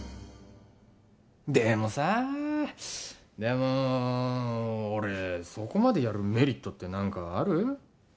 でもさでもっ俺そこまでやるメリットって何かある？